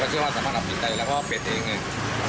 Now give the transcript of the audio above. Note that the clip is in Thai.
ขอบคุณคะปฐันคิดกันให้ด้วย